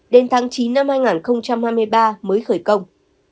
đến tháng chín năm hai nghìn hai mươi ba mới khởi công